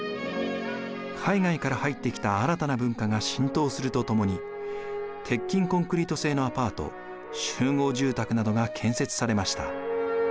海外から入ってきた新たな文化が浸透するとともに鉄筋コンクリート製のアパート集合住宅などが建設されました。